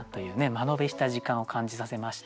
間延びした時間を感じさせまして。